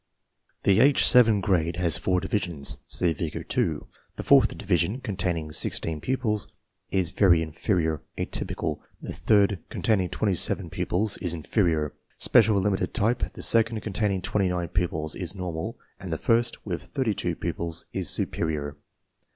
The H 7 grade has four divisions. (See Figure 2.) The fourth division, containing 16 pupils, is very inferior (atypical); the third, containing 27 pupils, is inferior, special limited type; the second, containing 29 pupils, is normal; and the first, with 32 pupils, is superior.